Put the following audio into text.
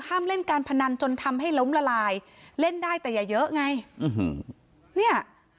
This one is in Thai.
เล่นการพนันจนทำให้ล้มละลายเล่นได้แต่อย่าเยอะไงเนี่ย